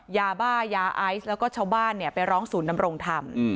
ยาบ้ายาไอซ์แล้วก็ชาวบ้านไปร้องศูนย์ดำรงธรรม